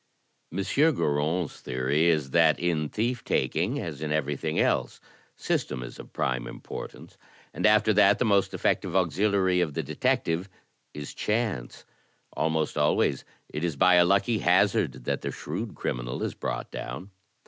M. Goron's theory is that in thief taking, as in everything else, system is of prime importance; and after that the most effective auxiliary of the detective is Chance. Almost always it is by a lucky hazard that the shrewd criminal is brought down.